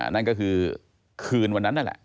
นั่นก็คือคืนวันนั้นนั่นแหละ